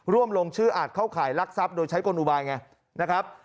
ร่วมลงชื่ออาจเข้าข่ายลักทรัพย์โดยใช้กลอุบายไงนะครับ